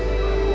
dạ đau ơi